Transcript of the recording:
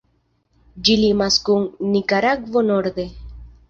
Ĝi limas kun Nikaragvo norde.